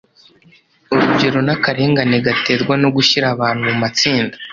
urugero n’akarengane gaterwa no gushyira abantu mu matsinda